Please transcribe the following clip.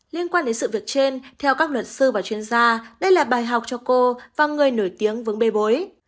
liên quan đến sự việc trên theo các luật sư và chuyên gia đây là bài học cho cô và người nổi tiếng vướng bê bối